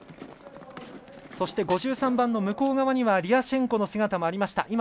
そして５３番の向こう側にはリアシェンコの姿がありました。